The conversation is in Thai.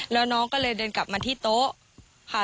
แล้วน้องก็เลยเดินกลับมาที่โต๊ะค่ะ